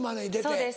そうです。